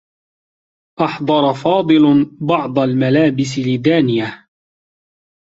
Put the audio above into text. أحضر فاضل بعض الملابس لدانية.